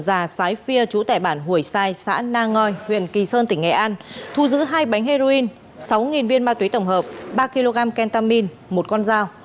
già sái phia chú tẻ bản hủy sai xã na ngoi huyện kỳ sơn tỉnh nghệ an thu giữ hai bánh heroin sáu viên ma túy tổng hợp ba kg kentamin một con dao